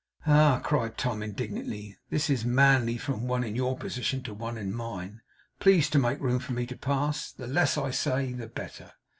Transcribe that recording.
Ah!' cried Tom, indignantly. 'Is this manly from one in your position to one in mine? Please to make room for me to pass. The less I say, the better.